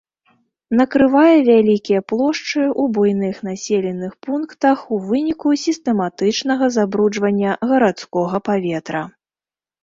Накрывае вялікія плошчы ў буйных населеных пунктах ў выніку сістэматычнага забруджвання гарадскога паветра.